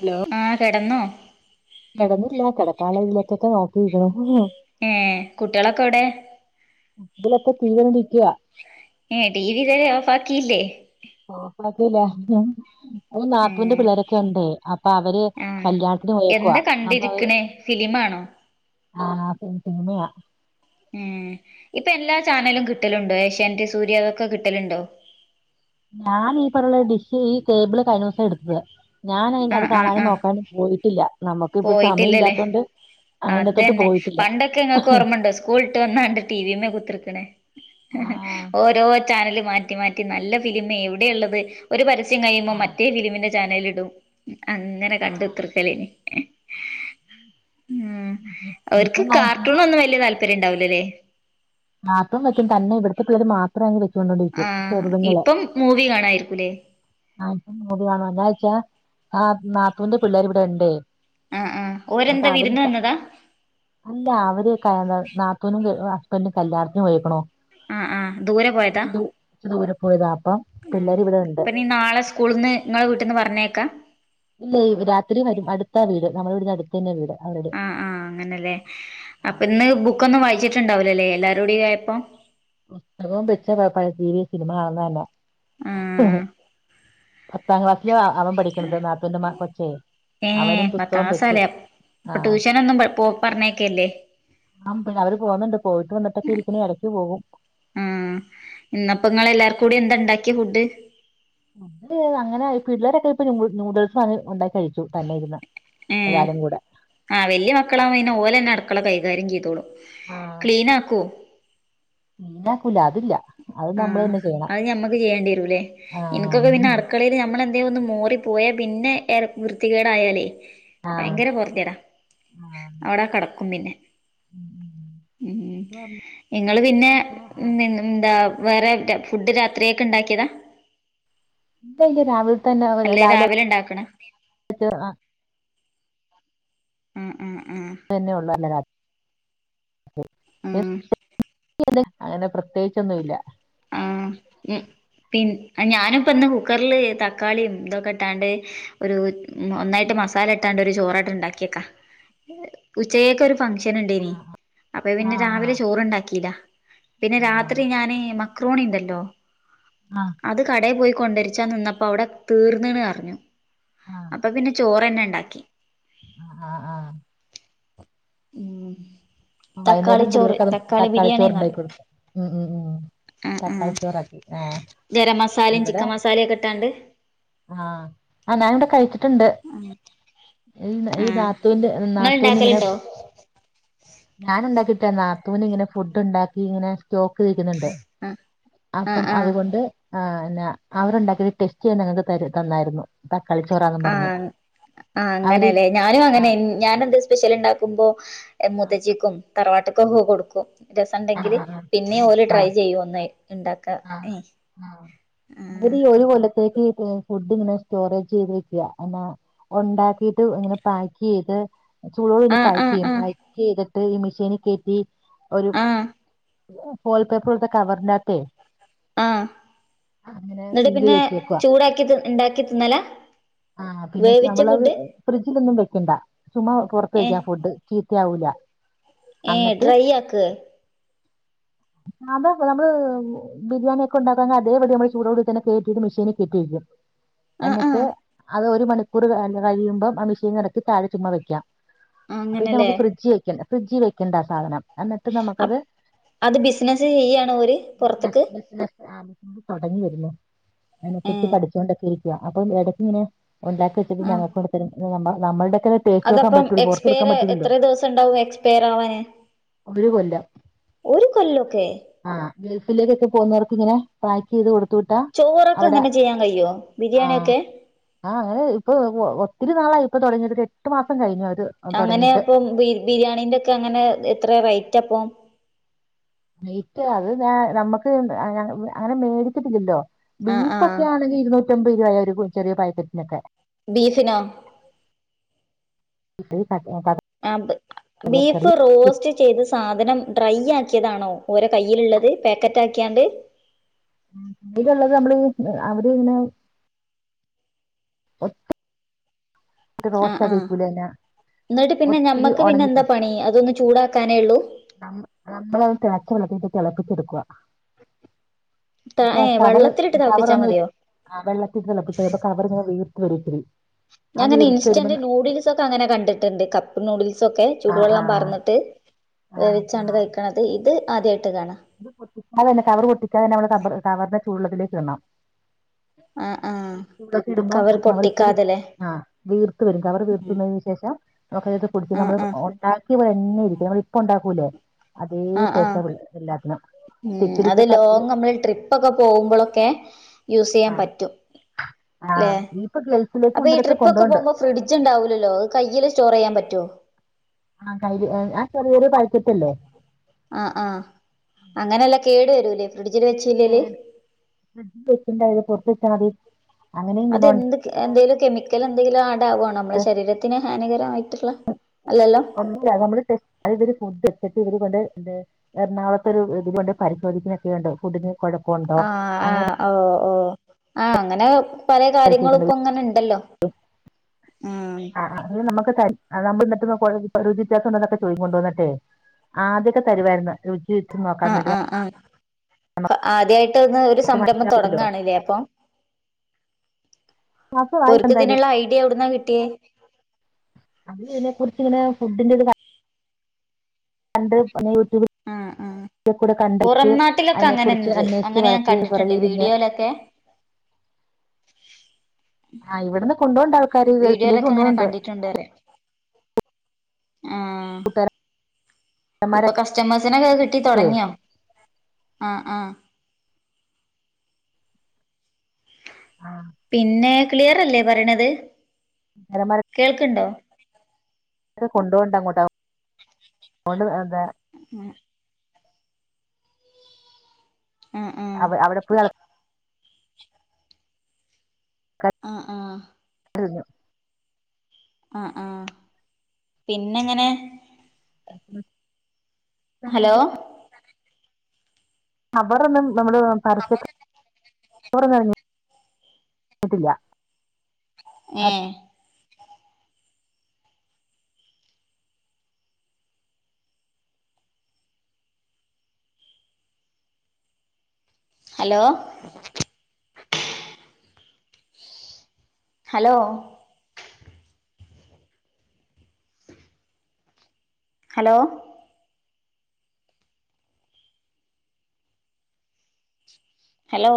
Hello ആഹ് കെടന്നോ. കിടന്നില്ല കിടക്കാലളേജിലൊക്കൊക്കെ നോക്കിരിക്കണ്‌. ഏ കുട്ടിഓളൊക്കെ എവ്‌ടെ. ഇതിലൊക്കെ തീകരിക്കുക. ഏ ടി വി തരെ ഓഫ് ആക്കിയില്ലേ അത് ലേ ഓ ഏ നാത്തൂന്റെ പിള്ളേരൊക്കെ ഉണ്ടേ അപ്പ അവര് ആഹ് കല്യാണത്തിന് പോയക്കവാ അപ്പൊ. ഇന്നാണോ. ആഹ് ഇന്നാ ഉം ഇപ്പോ എല്ലാ ചാനലും കിട്ടലുണ്ടോ. ഏഷ്യാൻറ്റ്, സൂര്യ അതൊക്കെ കിട്ടല്ണ്ടോ? ഞാൻ ഈ പറുള്ള ഡിഷ് ഈ, കേബിള് കഴിഞ്ഞൊസം എടുത്തത്. ഞാനയ്ന് അത് ആഹ് ആഹ് കാണാനും ആഹ് നോക്കാനും പോയിട്ടില്ല നമ്ക്ക് ഇപ്പൊ സമയം പോയിട്ടില്ലല്ലേ ഇല്ലാത്തോണ്ട് അതിന്റെത്തോട്ട് അതന്നെ പോയിട്ടില്ല പണ്ടൊക്കെ ഇങ്ങക്ക്ഓർമ്മണ്ടോ, സ്കൂൾട്ട് വന്നാണ്ട് ടി. വിമ്മേ കുത്തർക്ണേ. ആഹ് ഒരോര്. ചാനല് മാറ്റി മാറ്റി നല്ല ഫിലിമ് എവിടേള്ളത് ഒര് പരസ്യം കഴിയ്മ്പോ മറ്റേ ഫിലീമിന്റെ ചാനലിടും അങ്ങനെ കണ്ടുതൃക്കലെനി. ഉം അവര്ക്ക് ഇപ്പം നാട്ടി- കാർട്ടൂണാന്നും വല്യ താല്പര്യണ്ടാവൂലലേ മാപ്പം വെക്കും തന്നെ ഇവിടത്തെ പേര് മാം. അപ്രം വെച്ചൊണ്ടോണ്ടിരിക്കും ആഹ് ചെറുത്ങ്ങളെ. ഇപ്പം മൂവി കാണായിരിക്കൂലേ ആഹാ പ്പം എന്താച്ചാ ആഹാ നാത്തൂന്റെ പിള്ളേര് ഇവിടാണ്ടേയ്. ആഹ് ആഹ് അപ്പോ ഓരെന്താ വിരുന്ന് അവര്‌നിക്ക വന്നതാ അല്ല അവര്ക്കന്താ നാത്തൂനും കെ- പ്പന്ന് കല്യാണതിന് പോയൊക്കണൊ? ആഹ് ആഹ് ദൂരെ പോയതാ കൊച്ച് കൊറച്ച് ദൂരെ പോയതാ, അപ്പം പിള്ളേര് ഇവിടെ ഇണ്ട്. ഇൻ നാളെ സ് സ്കൂൾന്ന് ഇങ്ങളെ വീട്ട്ന്ന് പർഞ്ഞയക്കാ ഇല്ലെയ് രാത്രി വരും അട്ത്താ വീട് നമ്മുടെ വീട്ന്റെ അട്ത്തന്നെ വീട് അവര്ടെ ആഹാ അങ്ങനല്ലേ അപ്പോ ഇന്ന്- ബുക്കൊന്നും വായിച്ചിട്ടുണ്ടാവൂലലേ എല്ലാരൂടി ആയപ്പം. പുസ്തകം ബെച്ച പഴസിനിമ കാണനന്നെ. ആഹ് പത്താം ക്ലാസ്സില് അ അവൻ പഠിക്ക്ണത് നാത്തൂന്റെ മ കൊച്ചെ അവനും പുസ്തകം വെച്ച് ആ അപ്പോ ട്യൂഷനൊന്നും പോ- പറഞ്ഞേക്കലില്ലേ? ആഹ് പിന്നെ അവര് പോക്ന്ന്ണ്ട്പ്പോ പോയിട്ട് വന്ന്ട്ടൊക്കെ ഇരിക്ക്ണ് എടക്ക് പോകും ആഹാ ഇന്നപ്പങ്ങളെല്ലാർക്കൂടി, എന്താ ണ്ടാക്കിയെ ഫുഡ്? ഞങ്ങള് അങ്ങനെ പിള്ളേരെക്കെ ഇപ്പ നൂ നൂഡിൽസാണ് ഉണ്ടാക്കി കഴിച്ചു തന്നെ ഇര്ന്ന് ഉം ആഹാ വല്യ മക്കളാവുമ്പൊന്നെ- ഓലെന്നെ അടുക്കള കൈകാര്യം ചെയ്തോളും. ക്ലീൻ ആക്കോ? മെയ്നാക്കുലാ അതില്ല. അത് നമ്മള് ആഹാ തന്നെ ചെയ്യണം അത് ഞമ്മക്ക് ചെയ്യേണ്ടിരുലെ, ഇൻക്കൊക്കെ ആഹ് പിന്നെഅട്- ക്കളെൽ നമ്മളെന്തേയൊന്ന്, മോറിപ്പോയാ പിന്നെ ഏറെ വൃത്തികേടായാലേ. ഭയങ്കര പൊർത്യേടാ ആഹ് അവടെ കടക്കും പിന്നെ. ഉം ഇല്ല ഇങ്ങള് പിന്നെ പിന്നെന്താ. വേറെ എക്കെ ഫുഡ് രാത്ര്യേക്ക് ഇണ്ടാക്ക്യതാ ഇല്ല ഇല്ല രാവിൽതന്നെ അല്ലെ രാവിലെ. ഇണ്ടാക്കണ ആഹാ ആഹാ ആഹാ... ! ഇതന്നെ ഒള്ളൂ. ആഹ് [inaudible] നെ അങ്ങെനെ പ്രത്യേകിച്ചൊന്നും ഇല്ലാ ഉം ഉം പിൻ ഞാനിപ്പന്ന് കുക്കർല്, തക്കാളിയും ഇതൊക്കെട്ടാണ്ട്, ഒരു ഒന്നായിട്ട് മസാല ഇട്ടാണ്ട് ഒര് ചോറാട്ട്ണ്ടാക്ക്യേക്കാ ഉച്ചെക്കേക്കൊര് ഫങഷൻ നിണ്ടേനി, ആഹ് അപ്പ പിന്നെ രാവിലെ ആഹ് ചോറുണ്ടാക്കീല പിന്നെ, ആഹ് രാത്രി ഞാന് മക്രോ- ക്രോണിണ്ടല്ലോ ആഹാ... ! അത് കടേ പോയി കൊണ്ടരിച്ചാ- നിന്നപ്പോ അവിടെ തീർന്നീണ്നരഞ്ഞു. ആഹാ... ! അപ്പപിന്നെ ചോറന്നെണ്ടാക്കി. ആ ആഹ് ആഹ ഉം.. ! വൈന്നേരം പിള്ളേർക്ക് അതും, തക്കാളി ചോറ് ഉണ്ടാക്കി- കൊടുക്കും ഉം ഉം ഉം... ആഹ് ! ആഹ് തക്കാളിച്ചോറാക്കി ആഹ് ഗരം മസാലയും ഇവിടെ ചിക്കൻ മസാലയൊക്കെ ഇട്ടാണ്ട് ആഹാ ആഹാ ഞാനിവിടെ കഴിച്ചിട്ടുണ്ട്. ഈ ഈ ആഹ് നാത്തുന്റെ ഇങ്ങൾ നാത്തുനിങ്ങനെ. ഇണ്ടാക്കലുണ്ടോ ഞാന്ണ്ടാക്കിട്ട നാത്തൂന് ഇങ്ങനെ ഫുഡ് ഇണ്ടാക്കി ഇങ്ങനെ. ചോക്ക് നിരിക്കുന്നുണ്ട് ആഹ് ആഹ് അപ്പം ആഹ് അതുകൊണ്ട്. ആ അല്ലാ അവർണ്ടാക്കിയത് ടെസ്റ്റ് ചെയ്യാൻ ഞങ്ങൾ ത തന്നായിരുന്നു. തക്കാളിച്ചോറാന്ന് പറഞ്ഞ് ആഹ് അവര് ആഹ്അങ്ങനെല്ലെ ഞാനും ആ അങ്ങനെയെനി ഞാനെ എന്തെ സ്പെഷ്യൽ ഉണ്ടാക്കുമ്പോ മുത്തച്ചിക്കും തറവാട്ട് കൊക്കെ കൊടുക്കും.. ആ രസംണ്ടെങ്കില് പിന്നേ ഓൽ ആ ട്രൈ ചെയ്യൂ ഒന്ന് ഉണ്ടാക്ക ആ [unintelligible] ഒരു കൊല്ല തെക്ക്.. ഫുഡ് ഇങ്ങനെ സ്റ്റോറേജ് ചെയ്ത് വെക്കുക എന്ന ഉണ്ടാക്കിട്ട് ഇങ്ങനെ പാക്ക് ചെയ്ത്.. ചൂടോട് കൂടി ആഹ് പക്ക് ആഹ് ചെയ്യും ആഹ് പാക്ക് ചെയ്തിട്ട് ഈ മിഷീനിൽ കയറ്റി. ഒരു ആഹ് ആഹ് ഫോൾ പേപ്പറോലത്തെ കവറിന്റെകാത്ത്. ആഹ് എന്നിട്ട് സീൽ ചെയ്ത് പിന്നെ വെച്ചേക്കുവാ ചൂടാക്കി ഇണ്ടാക്കി തിന്നാലാ ആ പിന്നെ നമ്മളത് ഫ്രിഡ്ജിലൊന്നും വെക്കണ്ട ചുമ പുറത്ത് ഏഹ് വെക്കാ ഫുഡ്.. ചിത്ത യാവൂല. ഏഹ് ഡ്രൈ ആക്ക ആ അത പം നമ്മള്.. ബിരിയാണി ഒക്കെ ഉണ്ടാക്കാ അതേപാടി നമ്മൾ ചൂടോട് തന്നെ കേറ്റിട്ട് മിഷീനിൽ കെട്ടിവെക്കും. ആഹ് എന്നിട്ട് ആഹ് അത് ഒരു മണിക്കൂർ കഴിയുമ്പം ആ മിഷീൻ ഇറക്കി താഴെ ചുമ്മാ വെക്കാ പിന്നെ അങ്ങനെല്ലേ നമുക്ക് ഫ്രിഡ്ജ് വെക്കണ്ടാ ഫ്രിഡ്ജ് വെക്കണ്ടാ ആ സാധനം എന്നിട്ട് നമ അ അത് ബിസിനസ്സ് ചെയ്യാണോ ഒര് ബിസിനസ് പുറത്ത്ക്ക്. ബിസിനസ് തുടങ്ങി വരുന്നു അതിനെ കുറിച്ച് ഏഹ് പഠിച്ചോണ്ടൊക്കെ ഇരിക്കാ. അപ്പം എടക്ക് ഇങ്ങനെ. ഉണ്ടാക്കി വെച്ചിട്ട് ആഹ് ഞങ്ങൾ കൊണ്ടന്ന് തരും നമ്മുടെക്കെ ടെസ്റ്റ്. അതപ്പം എക്സ്പയർ എത്ര ദിവസം ഉണ്ടാവും എക്സ്പയർ ആവാന് ഒരു ഒര് കൊല്ലോക്കെ. ആഹ് ഗൾഫിലേക്കൊക്കെ പോകുന്നവർക്ക് ഇങ്ങനെ.. പാക്ക് ചെയ്ത് കൊടുത്ത ചോറൊക്കെ അവിടെ അങ്ങനെ ചെയ്യാൻ കഴിയോ ആഹ. ബിരിയാണിയൊക്കെ ആഹ് അങ്ങനെ ഇപ്പ ഒത്തിരി നാളായി ഇപ്പോ തുടങ്ങിയിട്ട് എട്ടു മാസം കഴിഞ്ഞു അത്. അങ്ങനെ തുടങ്ങിയിട്ട് അപ്പം ബിരിയാണിന്റെ ഒക്കെ അങ്ങനെ എത്ര റേറ്റ് അപ്പം. നെറ്റ് അത് ഞൻ നമ്മുക്ക് അങ്ങനെ മേടിച്ചിട്ടില്ലല്ലോ.. ആഹ് ബീഫ് ഒക്കെ ആഹ് ആണെങ്കിൽ ഇരുന്നൂറ്റമ്പത് രൂപയ ഒരു ചെറിയ പാക്കറ്റിനൊക്കെ. ബീഫിനൊ. [unintelligible] ആ ബ് കടലക്കറി ബീഫ് റോസ്റ്റ്.. ചെയ്ത സാധനം ഡ്രൈ ആക്കിയതാണോ ഓരോ കൈലുള്ളത് പാക്കറ്റ് ആക്കിയാണ്ട്. അധീകംള്ളത് നമ്മള് അവര് ഇങ്ങനെ.. ഒറ്റ.. ആഹ് ആഹ് ന്നട്ട് പിന്നെ ഒത്തിരി ഞമ്മക്ക് പിന്നെ ഉണങ്ങി എന്താ പണി അതൊന്ന് ചൂടാക്കാനേ ഒള്ളൂ. ന നമ്മളത് തിളച്ച വെള്ളത്തിലിട്ട് തിളപ്പിച്ച് എടുക്കുവ. അപ്പൊ അ ഏഹ് കവറ് വെള്ളത്തിലിട്ട് കവർ തിളപ്പിച്ചാൽ ഒന്ന്. മതിയോ ആ വെള്ളത്തിട്ട് തിളപ്പിച്ച്‌ കവർ ഇങ്ങെനെ വീർത്ത് വരും ഇച്ചിരി.. ഞാൻ ഇങ്ങെനെ ഇൻസ്റ്റന്റ് നൂഡിൽസ് ഒക്കെ അങ്ങനെ കണ്ടിട്ടുണ്ട്. കപ്പ നൂഡിൽസൊക്കെ ആ ആ ചൂടുവെള്ളം പറന്നിട്ട് ആ വേവിച്ചാണ്ട് കഴിക്കണത്. ഇത് ആദ്യയിട്ട് കാണാ.. അത് പൊട്ടിക്കാതെ കവർ പൊട്ടിക്കാതെ തന്നെ നമ്മൾ കവറിനെ ചൂടുവെള്ളത്തിലേക്ക് ഇടണം. ആ ആ ചൂടത്ത് ഇടുംബോ ആ കവർ ഇച്ചിരി. ആഹ വീർത്ത് വരും കവർ വീർത്തുന്നതിന് ശേഷം നമുക്ക് പിടിച്ച് ആഹ് നമ്മള് ആഹ് ഓൻ- ഉണ്ടാക്കിവെന്തഇരിക്കും നമ്മൾ ഇപ്പം ഉണ്ടാക്കൂല്ലേ അതേ ആഹ് ആഹ് ടെസ്റ്റാ ഉം അത് ലോങ് നമ്മള് ട്രിപ്പൊക്കെ പോകുമ്പോള്ളെക്കെ.. യൂസ് ചെയ്യാൻ ആ പറ്റും ആ അല്ലെ ഇപ്പൊ ഗൾഫിലേക്ക് അപ്പൊ ഈ കൊണ്ടവരൊക്കെ ട്രിപ്പൊക്കെ കൊണ്ടോണ്ട് പോകുമ്പോ.. ഫ്രിഡ്ജ്ണ്ടാവില്ലല്ലോ അത് കയ്യിൽ സ്റ്റോർ ചെയ്യാൻ പറ്റോ ആ കയ് ആ ചെറിയൊരു പഴുത്തിട്ടില്ലേ ആ ആ അങ്ങനെല്ലാ കേടു വരൂലേ ഫ്രിഡ്ജില് വെച്ചില്ലേല് ഫ്രിഡ്ജില് വച്ചിണ്ടായില് പുറത്ത് വച്ചാ മതി അങ്ങനെയും ഗുണമുണ്ട് അതെന്ത് എന്തേലും കെമിക്കല് എന്തേലും ആഡാകുവാണോ ആകോ നമ്മളുടെ ശരീരത്തിന് ഹാനികരമായിട്ടുള്ള അല്ലല്ലോ ഒന്നൂല നമ്മള് ടെസ് ഇവര് ഫുഡ് സെറ്റ് ഇവര്കൊണ്ട് എന്ത് എറണാകുളത്തൊരു ഇത് കൊണ്ട് പരിശോധിക്കുന്നെക്കെയുണ്ട് ഫുഡിന് കുഴപ്പമുണ്ടോ ആ അങ്ങനെ ആ ഓ ഓ ആ അങ്ങനെ പല കാര്യങ്ങളിപ്പ പരിശോധിക്കുന്നുണ്ട് ങ്ങനെ ഉണ്ടല്ലോ [unintelligible] ആ അ അത് നമ്മക്ക് തരും അത് നമ്മൾ ന്ന്ട്ട് രുചി വ്യത്യാസംണ്ടന്നൊക്കെ ചോയിക്കും കൊണ്ട്‌ വന്നിട്ടെ ആദ്യൊക്കെ തരുവായിരുന്നു രുചി നോക്കാൻ ആഹ് വേണ്ടി ആഹ് ആദ്യായിട്ട് ഇന്ന് ഒരു സംരംഭം മനസ്സിലാവുമല്ലോ തൊടങ്ങാണില്ലേ അപ്പം മാസമായി എന്തായാലും ഓരിക്കിതിനൊള്ള ഐഡിയ എവിടുന്നാ കിട്ടിയേ അത് ഇതിനെകുറിച്ചിങ്ങനെ ഫുഡിന്റേത് കൺ കണ്ട് യൂട്യൂബ് ആഹ് ആഹ് ഇക്കൂടെ പുറം കണ്ടെച്ച് നാട്ടിലൊക്കെ അയിനെക്കുറിച്ച് അങ്ങനെണ്ട് അന്വേഷിച്ച് അങ്ങനെ ഞാൻ വളർത്തിയ കണ്ടിട്ടുണ്ട് പുറകിയിലിങ്ങെ വീഡിയോയിലൊക്കെ ആ ഇവിടുന്ന് കൊണ്ടോ ണ്ണ്ണ്ട് ആൾക്കാര് ഗൾഫിലേക്ക് കൊണ്ടോണ്ണ്ണ്ട്‌ ചെണ്ടേരെ ആ ഇപ്പൊ കൂട്ടുകാരന്മാരൊക്കെ കസ്റ്റമേഴ്സിനൊക്കെ കിട്ടി തൊടങ്ങിയോ ആ ആ ആ പിന്നെ ക്ലിയറല്ലേ പറേണത് എലമരം കേൾക്ക്ണ്ടോ അത് കൊണ്ട്‌ പോവണ്ട അങ്ങോട്ടാ അതോണ്ട് എന്താ ങേ ആഹ് ആഹ് അവെ അവെടെപ്പോഴും [inaudible] ആഹ് ആഹ് ഴിഞ്ഞു ആ ആ പിന്നെ ഇങ്ങനെ [unintelligible] താന ഹലോ [inaudible] അവറൊന്നും നമ്മള് പരത്തെക്ക് [inaudible] [inaudible] ത്തില്ല ഏ ഹലോ ഹലോ ഹലോ ഹലോ